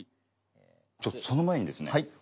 ちょっとその前にですね